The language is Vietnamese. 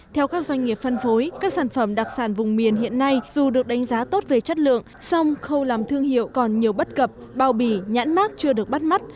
theo các doanh nghiệp phân phối các sản phẩm đặc sản vùng miền hiện nay dù được đánh giá tốt về chất lượng song khâu làm thương hiệu còn nhiều bất cập bao bì nhãn mát chưa được bắt mắt